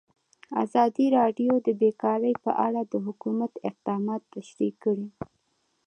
ازادي راډیو د بیکاري په اړه د حکومت اقدامات تشریح کړي.